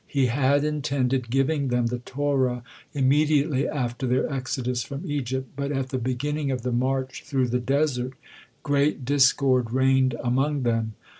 He had intended giving them the Torah immediately after their exodus from Egypt, but at the beginning of the march through the desert, great discord reigned among them.